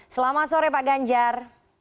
selamat sore pak ganjar